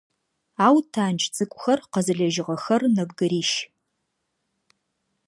Ау тандж цӏыкӏухэр къэзылэжьыгъэхэр нэбгырищ.